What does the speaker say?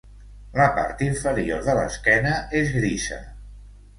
La part inferior de l'esquena és grisa.